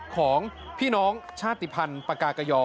ของพี่น้องชาติพันปกากย